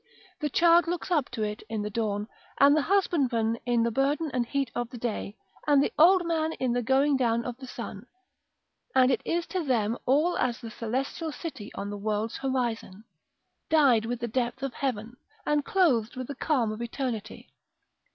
The child looks up to it in the dawn, and the husbandman in the burden and heat of the day, and the old man in the going down of the sun, and it is to them all as the celestial city on the world's horizon; dyed with the depth of heaven, and clothed with the calm of eternity.